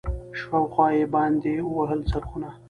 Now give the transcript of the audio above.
شاوخوا یې باندي ووهل څرخونه